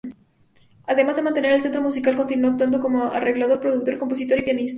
Además de mantener el centro musical, continuó actuando como arreglador, productor, compositor y pianista.